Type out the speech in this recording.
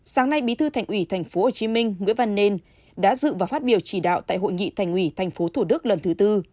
sáng nay bí thư thành quỷ thành phố hồ chí minh nguyễn văn nên đã dự và phát biểu chỉ đạo tại hội nghị thành quỷ thành phố thủ đức lần thứ tư